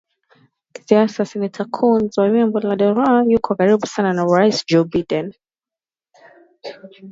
Kisiasa Seneta Coons wa Jimbo la Delaware yuko karibu sana na Rais Joe Biden